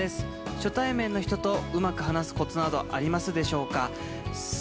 初対面の人とうまく話すコツなどありますでしょうか？」。